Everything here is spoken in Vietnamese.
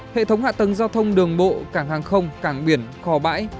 hệ thống hạ tầng giao thông đường bộ cảng hàng không cảng biển khò bãi